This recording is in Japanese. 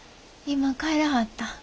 今帰らはった。